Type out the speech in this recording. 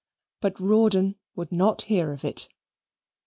But Rawdon would not hear of it.